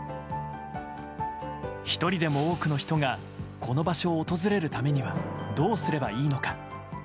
１人でも多くの人がこの場所を訪れるためにはどうすればいいのか。